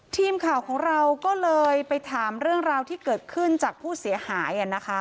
ทีมข่าวของเราก็เลยไปถามเรื่องราวที่เกิดขึ้นจากผู้เสียหาย